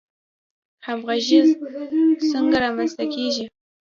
همغږي څنګه رامنځته کیږي؟